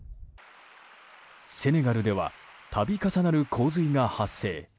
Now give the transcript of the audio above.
セネガルでは度重なる洪水が発生。